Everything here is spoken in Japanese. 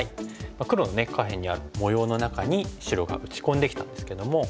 黒のね下辺にある模様の中に白が打ち込んできたんですけども。